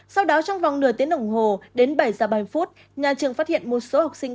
sau đó trong vòng nửa tiếng đồng hồ đến bảy giờ ba mươi phút nhà trường phát hiện một số học sinh